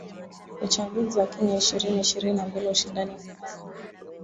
Uchaguzi wa Kenya ishirini ishirini na mbili ushindani mkali